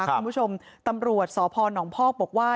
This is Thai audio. คุณผู้ชมตำรวจสพนพอกบอกว่า